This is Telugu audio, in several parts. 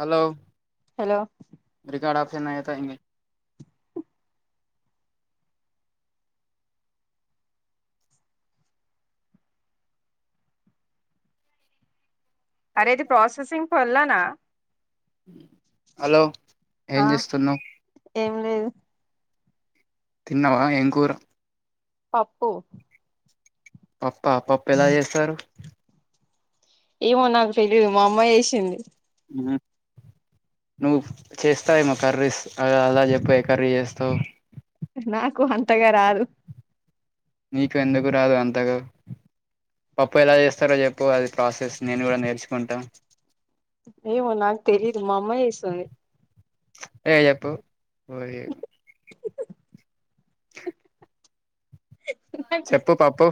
హలో హలో రికార్డ్ ఆప్షన్ [unintelligible] అరే ఇది ప్రాసెసింగ్ పలానా హలో ఆ ఏం చేస్తున్నావ్? ఏం లేదు తిన్నవా, ఏం కూర? పప్పు పప్పా, పప్పు ఎలా చేస్తారు? ఏమో నాకు తెలీదు, మా అమ్మ చేసింది. ఉహు నువ్వు చేస్తావేమో కర్రీస్, అ అలా చెప్పు ఏ కర్రీ చేస్తావ్? నాకు అంతగా రాదు నీకు ఎందుకు రాదు అంతగా పప్పు ఎలా చేస్తారో చెప్పు అది ప్రాసెస్ నేను కూడా నేర్చుకుంటా. ఏమో నాకు తెలీదు, మా అమ్మ చేస్తుంది. ఏ చెప్పు ఊకే చెప్పు పప్పు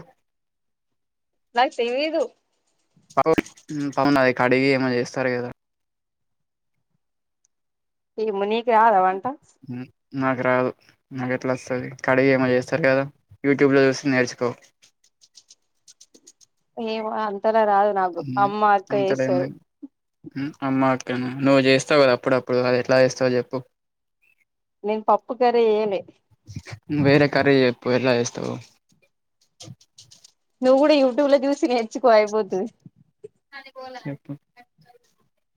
నాకు తెలీదు పవు పవున్ అది కడిగి ఏమో చేస్తారు కదా ఏమో నీకు రాదా వంట? నాకు రాదు నాకు ఎట్లా వస్తది? కడిగి ఏమో చేస్తారు కదా, యూట్యూబ్ లో చూసి నేర్చుకో. ఏమో అంతనా రాదు నాకు, అమ్మ అక్క చేస్తారు. అమ్మా అక్కనా, నువ్వు చేస్తావు కదా అప్పుడప్పుడు, అది ఎట్లా చేస్తావు చెప్పు. నేను పప్పు కర్రీ చేయలే వేరే కర్రీ చెప్పు ఎలా చేస్తావు. నువ్వు కూడా యూట్యూబ్ లో చూసి నేర్చుకో అయిపోతది. [inaudible]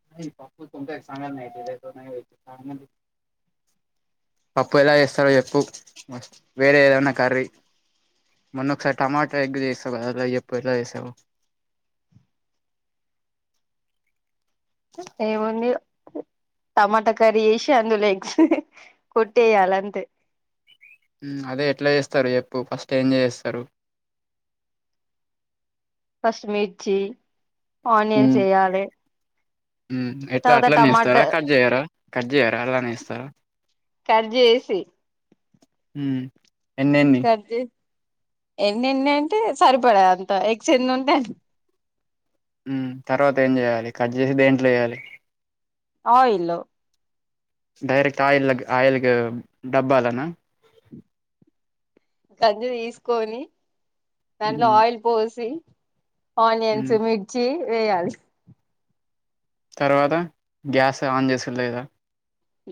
[unintelligible] పప్పు ఎలా చేస్తారో చెప్పు, వేరే ఏదన్నా కర్రీ మొన్న ఒకసారి టమాటా ఎగ్ చేసావు కదా, అలా చెప్పు ఎలా చేేసావో. ఏముంది టమాటా కర్రీ చేసి, అందులో ఎగ్స్ కొట్టేయాలి అంతే. అదే ఎట్లా చేస్తారు చెప్పు, ఫస్ట్ ఏంజ చేస్తారు? ఫస్ట్ మిర్చి, ఆనియన్స్ వేయాలె. ఉమ్ ఎట్లా అట్లానే వేస్తారా, కట్ చేయరా, కట్ చేయారా, అలానే వేస్తారా? కట్ చేసి ఉమ్ కట్ చేస్ ఎన్ని ఎన్ని అంటే సరిపడే అంత, ఎగ్స్ ఎన్ని ఉంటే అన్ని ఉమ్ తర్వాత ఏం చేయాలి, కట్ చేసి దేంట్లో వేయాలి? ఆయిల్లో డైరెక్ట్ ఆయిల్, ఆయిల్కి డబ్బాలోనా కజ్జు తీసుకొని దాంట్లో ఆయిల్ పోసి, ఆనియన్స్ మ్ మిర్చి వేయాలి. తర్వాత, గ్యాస్ ఆన్ చేసుడు లేదా?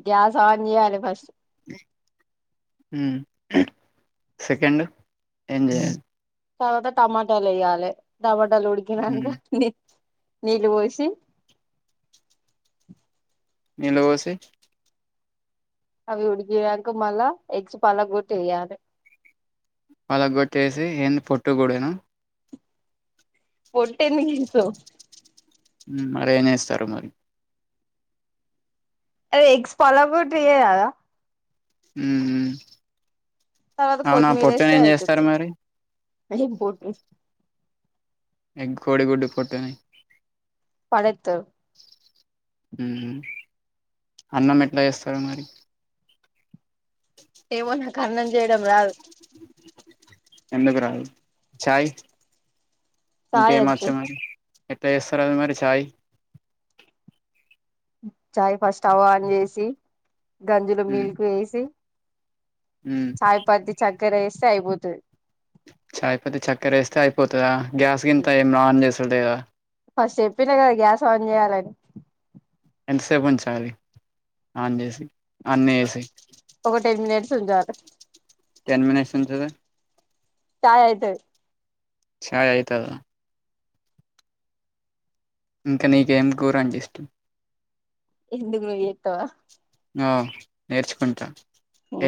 గ్యాస్ ఆన్ చేయాలి ఫస్ట్ హ్మ్ సెకండ్ ఏం చెయాలి తర్వాత టమాటాలు వేయాలే టమాటాలు మ్ ఉడికినాక నీ నీళ్ళు పోసి నీళ్ల పోసి అవి ఉడికియాక మళ్ళా ఎగ్స్ పలగ కొట్టి వేయాలి పలగకొట్టేసి ఎన్ని పొట్టు కూడాను పొట్టు ఎందుకు ఏశావు హ్మ్ ఏం ఏస్తారు మరి ఏ ఎగ్స్ పలగగొట్టి ఏయరా హ్మ్ తర్వాత అవునా కొత్తిమీర పొట్టును వేస్తే ఏం జేస్తారు అయిపోతది మరీ ఏం పొట్టు ఎగ్ కోడి గుడ్డు పొట్టుని పడేత్తర్ ఊహూ అన్నం ఎట్లా జేస్తారు మరి ఏమో నాకు అన్నం చేయడం రాదు ఎందుకు రాదు చాయ్ చాయ్ వచ్చు ఇంకేమోచ్చు మరి ఎట్ట జేస్తారు మరి చాయ్ చాయ్ ఫస్ట్ స్టవ్ ఆన్ జేసి గంజులో మ్ మిల్క్ ఏసి మ్ చాయ్ పత్తి చక్కర వేస్తే అయిపోతది. చాయ్ పత్తి చక్కెరేస్తే అయిపోతదా గ్యాస్ గింత ఏం ఆన్ జేసుడు లేదా ఫస్ట్ చెప్పిన గదా గ్యాస్ ఆన్ చేయాలని ఎంతసేపు ఉంచాలి ఆన్ జేసి ఒక టెన్ మినిట్స్ ఉంజాలి టెన్ మినిట్స్ ఉంచితే చాయ్ ఐతది చాయ్ ఐతదా ఇంక నీకు ఏం కూర అంటే ఇష్టం ఎందుకు నువ్వు జెత్తవ ఆ నేర్చుకుంటా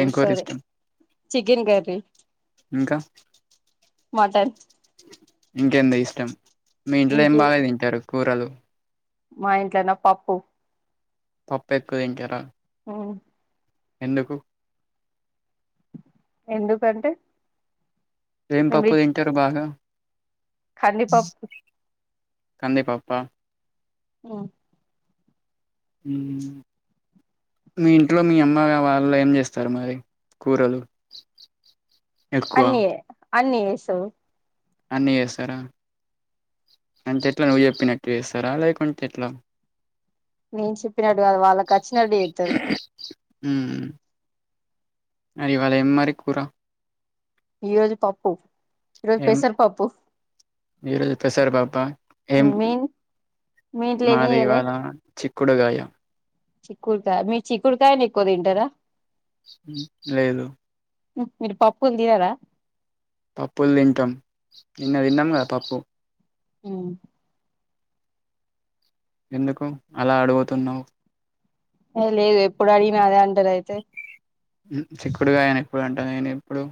ఏం సరే కూరిష్టం చికెన్ కర్రీ ఇంకా మటన్ ఇంకెందే ఇష్టం మీ ఇంట్లో ఏం ఇంకే బాగా తింటారు కూరలు మా ఇంట్లోన పప్పు పప్పు ఎక్కువ తింటారా హ్మ్ ఎందుకు ఎందుకంటే ఏం పప్పు తింటారు బాగా కంది పప్పు కంది పప్పా హ్మ్ హ్మ్ మీ ఇంట్లో మీ అమ్మ వాళ్ళు ఏం జేస్తారు మరి కూరలు ఎక్కువ అన్నే అన్ని జేస్తది అన్నీ చేస్తారా అంత ఎట్లా నువ్వు జెప్పినట్టు జేస్తారా లేకుంటే ఎట్లా నేను చెప్పినట్టు గాదు వాళ్ళకచ్చినట్టు జెత్తరు ఉమ్మ్ ఇవాళ్ ఏం మరి కూర ఈ రోజు పప్పు ఈ రోజు పెసర్ పప్పు ఈ రోజు పేసర్ పప్పా ఏం మీ మీ ఇంట్లో ఏం మాది చేయలే ఇవాళ చిక్కుడుగయా చిక్కుడుకాయ్ మీ చిక్కుడుకాయని ఎక్కువ తింటారా లేదు మీరు పప్పులు తినరా పప్పుల్ తింటాం నిన్న తిన్నాం గదా పప్పు ఉ ఎందుకు అలా అడుగుతున్నావు ఏ లేదు ఎప్పుడు అడిగిన అదే అంటరు అయితే చిక్కుడుగాయా అని ఎప్పుడు అంటా నేను ఇప్పుడు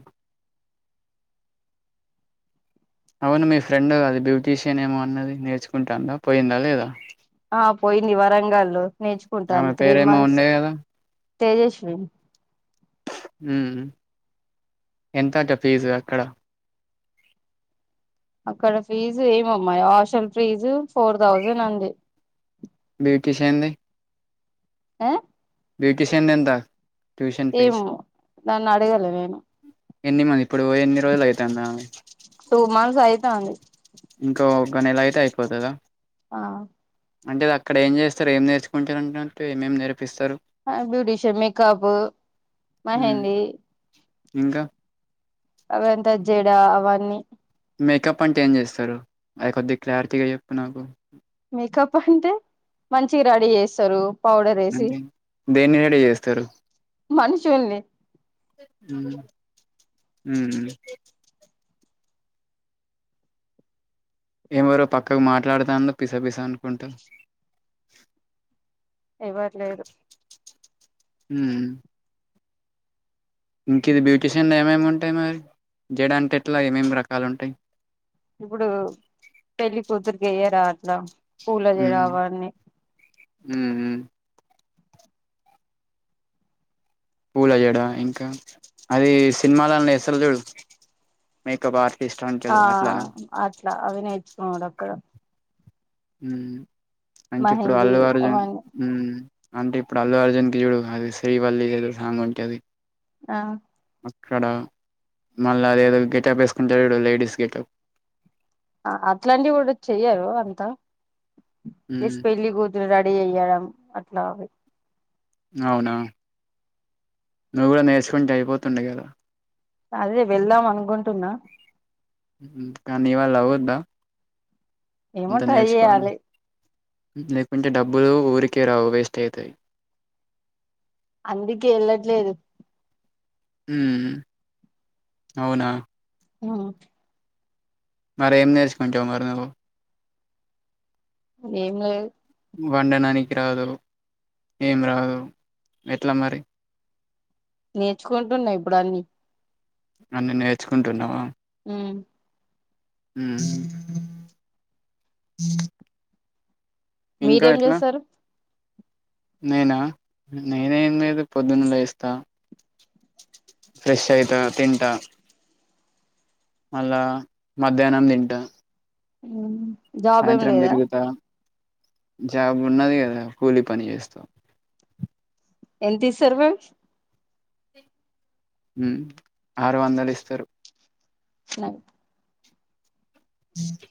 అవును మీ ఫ్రెండ్ అది బ్యూటీషియన్ ఏమో అన్నది నేర్చుకుంటాందా పోయిందా లేదా ఆ పోయింది వరంగల్లు ఆమె నేర్చుకుంటాంది త్రీ పేరేమో మంత్స్ ఉండే కదా తేజస్వి హు ఎంతాట ఫీజు అక్కడ అక్కడ ఫీజు ఏమో మా హాస్టల్ ఫీజు ఫోర్ థౌజండ్ అంది బ్యూటీషియాంది ఆ బ్యూటీషియన్ది ఎంత ట్యూషన్ ఫీజు ఏమో నన్ను అడిగే ట్టలేను ఎన్ని మరి ఇప్పుడు ఎన్ని రోజులు అయితందా టూ మంత్స్ అయితాంది ఇంకో ఒక్క నెల అయితే అయ్యిపోతదా ఆ అంటే అక్కడ ఏం చేస్తారు ఏం నేర్చుకుంటారు అన్నట్టు ఏమేమి నేర్పిస్తారు బ్యూటిషిన్ మేకప్ ఉమ్ మెహెందీ ఇంకా అవంతా జెడ అవన్నీ మేకప్ అంటే ఏం చేస్తారు అవి కొద్ది గా క్లారిటీగా చెప్పు నాకు మేకప్ అంటే మంచిగా రెడీ చేస్తారు పౌడర్ వేసి అంతే దేన్ని రెడీ చేస్తారు మనుషుల్ని హు హూ ఎవరో పక్కకు మాట్లాడుతాన్లు పిసా పిసా అనుకుంటా ఎవ్వరు లేరు హు ఇంక ఇది బ్యూటీషియన్ ఏమేమి ఉంటాయి మరి జడ అంటే ఎట్లా ఏమేమి రకాలు ఉంటాయి ఇప్పుడు పెళ్లి కూతురికి ఏయ్యారా అట్లా పూల హు జడ అవన్నీ ఉహు పూల జేడా ఇంకా అది సినిమాలల్ల ఏస్తారు చూడు మేకప్ ఆర్టిస్ట్ ఆ అంటరు అట్లనా అట్లా అవి నేర్చుకోవాలి అక్కడ హు అంటే ఇప్పుడు మెహందీ అల్లు అర్జున్ అవన్నీ హ్మ్ అంటే ఇప్పుడు అల్లు అర్జున్ కి చూడు అది శ్రీవల్లి ఏదో సాంగ్ ఉన్టది ఆ అక్కడ మళ్ళా అదేదో గెటప్ యేసుకుంటడు చూడు లేడీస్ గెటప్ అ అట్లాంటివి కూడా చెయ్యరు అంత జస్ట్ పెళ్ళి కూ రెడీ చెయ్యడం అట్లా అవి అవునా నువ్వు కూడా నేర్చుకుంటె అయిపోతుండె కదా అదే వెళ్దాం అనుకుంటున్నా నీ వల్ల అవుద్ద ఏమో అంత ట్రై నేర్చుకోవడం చేయాలి లేకుంటే డబ్బులు ఊరికే రావు వేస్ట్ అయ్తయ్ అందుకే యెళ్ళట్లేదు హ్మ్ అవునా ఆ మరి ఏం నేర్చుకుంటావు మరి నువ్వు ఏంలేద్ వండనానికి రాదు ఏం రాదు ఎట్లా మరి నేర్చుకుంటున్నా ఇప్పుడు అన్ని అన్నీ నేర్చుకుంటున్నవా హ్మ్ ఉమ్ మీరేం చేస్తారు నేన నేనేం లేదు పొద్దున లేస్తా ఫ్రెష్ అయిత తింటా మళ్ళా మధ్యాహ్నం తింటా హ్మ్ సాయంత్రం తిరుగుతా జాబ్ ఉన్నది కదా కూలీ పని చేస్త ఎన్తిస్తరు వు హ్మ్ ఆరు వందలు ఇస్తరు [unintelligible] ఉ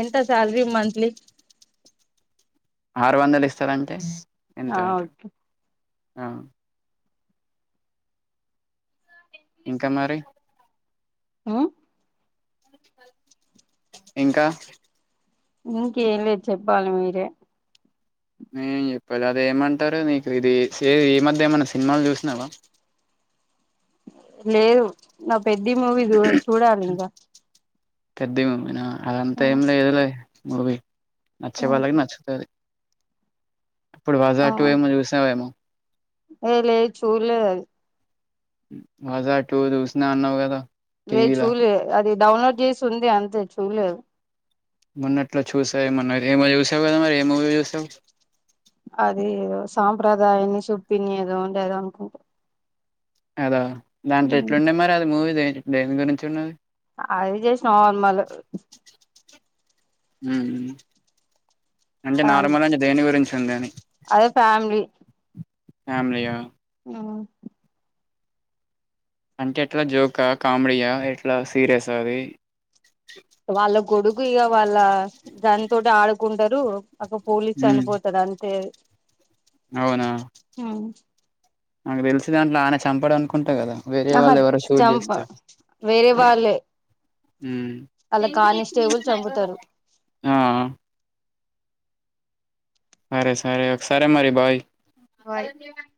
ఎంత సాల్రి మంత్లీ ఆరు వందలు ఇస్తరంటే ఎంత ఆ అట ఓకే ఇంకా మరి ఆ ఇంకా ఇంకేం లేదు చెప్పాలి మీరే నేం చెప్పాలి అదే మంటరు నీకు ఇది సేరు ఈ మధ్య ఏమన్నా సిన్మాలు చూస్నవా లేదు నా పెద్ధి మూవీ చూ చూడాలి ఇంకా పెద్ధి మూవీ న అదంతా ఏం లేదులే మూవీ నచ్చే వాళ్ళకి నచ్చుతది ఇప్పుడు వజా ఆ టు ఏమో చూసావేమో ఏ లే చూలే అది వజ టు జష్ణ అన్నవ్ గదా లే చూలే అది డౌన్లోడ్ చేసి ఉంది అంతే చూలేదు మొన్నట్ల చూసా ఏమోన ఏమో చూసావు కదా మరి ఏ మూవీ చూసావ్ అది ఏదో సాంప్రదాయణి సుప్పిని ఏదో ఉంది, అది అనుకుంట. అదా, దాంట్లో ఎట్ల ఉన్నది మరి అది మూవీ దేని గురించి ఉన్నది. అవి చేసి నార్మల్ ఉమ్ అంటే నార్మల్ అంటే దేని గురించి ఉంది అని అదే ఫ్యామిలీ ఫ్యామిలీయా? ఉమ్మ్ అంటే ఎట్లా జోకా, కామెడీయా ఎట్లా సీరియసా అది? వాళ్ళ గొడుగు ఇక వాళ్ళ దానితోటె ఆడుకుంటారు. అక్కడ పోలీస్ మ్మ్ చనిపోతాడంతే. అవునా, నాకు తెలిసి దాంట్లో ఆయన చంపడనుకుంటా కదా. ఆహా వేరేవాళ్ళు ఎవరో షూట్ చంప చేస్తారు. వేరే వాళ్ళే ఉమ్ అలా కానిస్టేబుల్ చంపుతారు [unintelligible] ఆ సరే సరే ఒకే సరే మరి బై బై